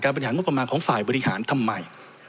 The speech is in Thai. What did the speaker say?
บริหารงบประมาณของฝ่ายบริหารทำไม